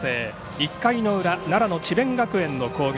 １回裏奈良智弁学園の攻撃。